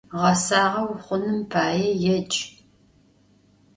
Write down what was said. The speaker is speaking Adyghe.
Гъэсагъэ ухъуным пае едж!